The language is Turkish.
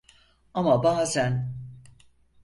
Ama bazen…